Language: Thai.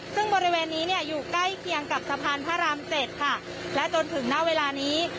ซึ่งบริเวณนี้เนี่ยอยู่ใกล้เคียงกับสะพานพระรามเจ็ดค่ะและจนถึงณเวลานี้